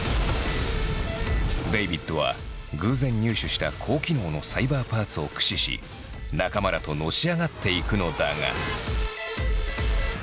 デイビッドは偶然入手した高機能のサイバーパーツを駆使し仲間らとのし上がっていくのだが。